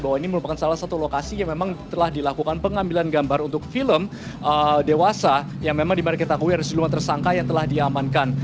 bahwa ini merupakan salah satu lokasi yang memang telah dilakukan pengambilan gambar untuk film dewasa yang memang dimana kita akui ada sejumlah tersangka yang telah diamankan